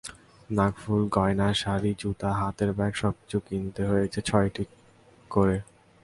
নাকফুল, গয়না, শাড়ি, জুতা, হাতের ব্যাগ সবকিছু কিনতে হয়েছে ছয়টি করে।